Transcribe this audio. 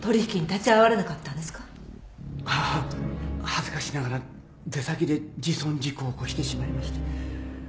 恥ずかしながら出先で自損事故を起こしてしまいまして。